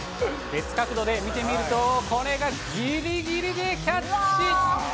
別角度で見てみると、これがぎりぎりでキャッチ。